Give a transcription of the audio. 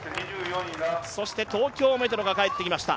そして東京メトロが帰ってきました。